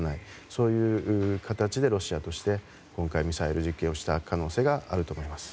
そういう形でロシアとして今回、ミサイル実験をした可能性があると思います。